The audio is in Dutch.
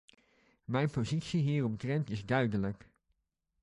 Mijn positie hieromtrent is duidelijk.